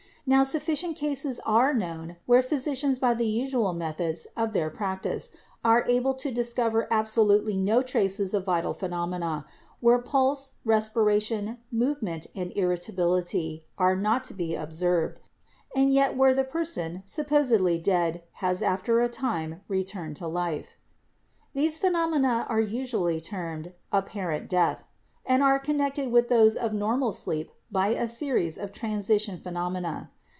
Now sufficient cases are known where physicians by the usual methods of their practice are able to discover absolutely no traces of vital phenomena, where pulse, respiration, movement and ir ritability are not to be observed ; and yet where the person, supposedly dead, has after a time returned to life. These phenomena are usually termed 'apparent death' PHYSIOLOGICAL IDEA OF LIFE 33 and are connected with those of normal sleep by a series of transition phenomena.